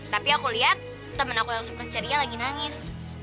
tapi aku lihat temen aku yang super ceria lagi nangis